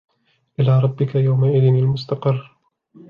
إِلَى رَبِّكَ يَوْمَئِذٍ الْمُسْتَقَرُّ